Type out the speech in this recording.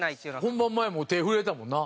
本番前も手震えてたもんな。